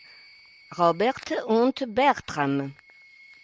Robert und Bertram